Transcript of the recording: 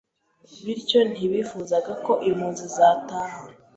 bityo ntibifuzaga ko impunzi zataha